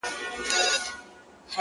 دا دی د مرگ تر دوه ويشتچي دقيقې وځم~